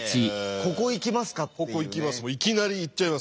ここいきます。